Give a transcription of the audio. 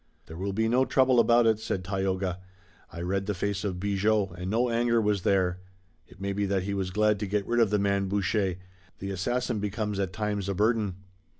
"There will be no trouble about it," said Tayoga. "I read the face of Bigot and no anger was there. It may be that he was glad to get rid of the man Boucher. The assassin becomes at times a burden."